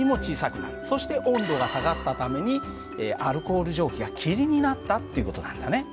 そして温度が下がったためにアルコール蒸気が霧になったっていう事なんだね。